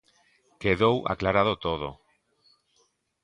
Quedou aclarado todo.